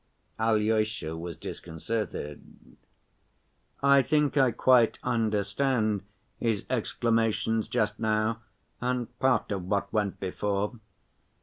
Alyosha was disconcerted. "I think I quite understand his exclamations just now, and part of what went before.